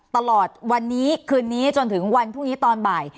ตลอดวันนี้คืนนี้จนถึงวันพรุ่งนี้ตอนบ่าย